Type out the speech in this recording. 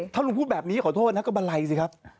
ถ้าลุงพูดแบบนี้ขอโทษนะก็บันไลสิครับ